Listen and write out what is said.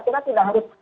kita tidak harus